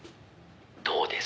「どうです？